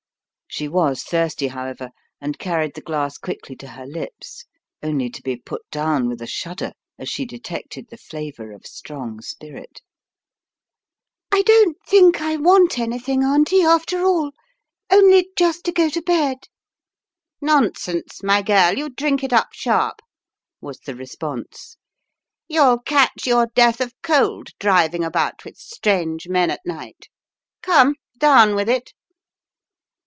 She was thirsty, however, and carried the glass quickly to her lips, only to be put down with a shudder as she detected the flavour of strong spirit. "I don't think I want anything, Auntie, after all, •nly just to go to bed." "Nonsense, my girl, you drink it up sharp," was the response. " You'll catch your death of cold driv ing about with strange men at night. Come, down with it."